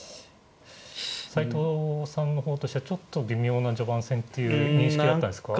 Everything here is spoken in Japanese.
斎藤さんの方としてはちょっと微妙な序盤戦という認識だったんですか。